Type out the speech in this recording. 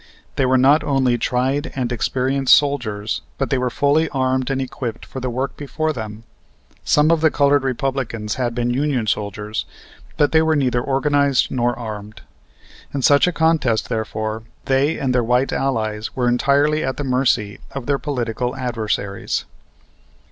They were not only tried and experienced soldiers, but they were fully armed and equipped for the work before them. Some of the colored Republicans had been Union soldiers, but they were neither organized nor armed. In such a contest, therefore, they and their white allies were entirely at the mercy of their political adversaries.